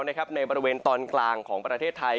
ในบริเวณตอนกลางของประเทศไทย